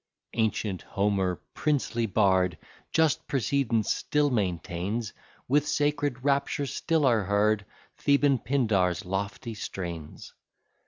Ancient Homer, princely bard! Just precedence still maintains, With sacred rapture still are heard Theban Pindar's lofty strains.